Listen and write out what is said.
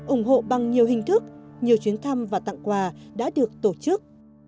ủng hộ bằng nhiều hình thức nhiều chuyến thăm và tặng quà đã được tổ chức